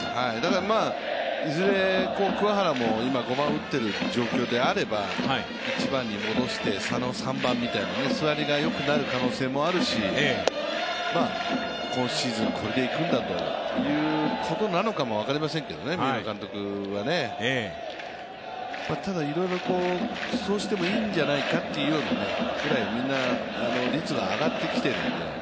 だからいずれ、桑原も今、５番を打っている状況であれば１番に戻して佐野３番みたいな座りがよくなる可能性もあるし今シーズン、これでいくんだということなのかも分かりませんけどね、三浦監督はね、ただいろいろとそうしてもいいんじゃないかっていうようなぐらいみんな率が上ってきているので。